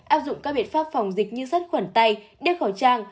áp dụng các biện pháp phòng dịch như sắt khuẩn tay đeo khẩu trang